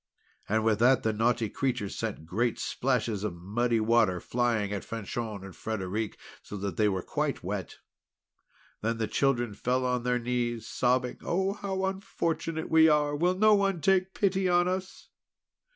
And with that the naughty creature sent great splashes of muddy water flying at Fanchon and Frederic, so that they were quite wet. Then the children fell on their knees sobbing: "Oh, how unfortunate we are! Will no one take pity on us!"